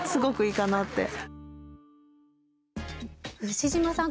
牛島さん